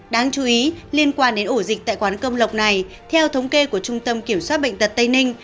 đáng chú ý liên quan đến ổ dịch tại quán cơm lộc này theo thống kê của trung tâm kiểm soát bệnh tật tây ninh